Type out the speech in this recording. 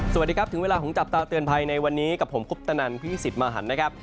สวัสดีครับถึงเวลาของจับตาเตือนภัยในวันนี้กับผมคุปตนันพี่สิทธิ์มหันนะครับ